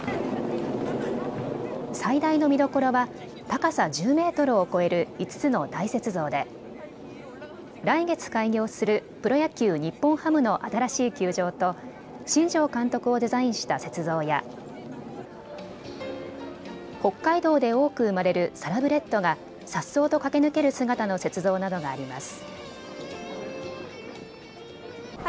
最大の見どころは高さ１０メートルを超える５つの大雪像で来月、開業するプロ野球・日本ハムの新しい球場と新庄監督をデザインした雪像や北海道で多く産まれるサラブレッドがさっそうと駆け抜ける姿の雪像などがあります。